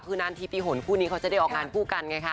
คือมารทีปีฝนพวกเขาจะได้ออกงานก้วกันใกล้คะ